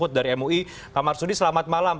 mohd alie dari mui pak marsudi selamat malam